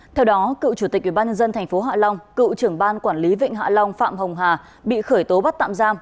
theo đó cựu chủ tịch ubnd tp hạ long cựu trưởng ban quản lý vịnh hạ long phạm hồng hà bị khởi tố bắt tạm giam